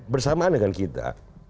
bersamaan dengan kita